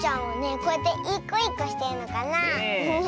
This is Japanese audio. こうやっていいこいいこしてるのかなあ。